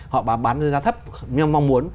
họ bán đấu giá thấp như mong muốn